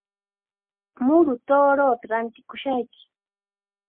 Muru tuuruuta rantikushayki.